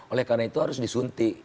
oleh karena itu harus disuntik